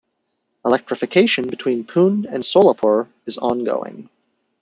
Electrification between Pune and Solapur is ongoing.